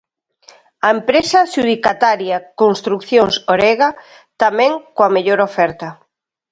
A empresa adxudicataria Construcións Orega, tamén coa mellor oferta.